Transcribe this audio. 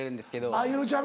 あっゆうちゃみ